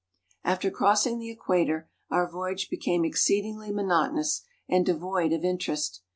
After crossing the equator our voyage became exceedingly monotonous and devoid of interest.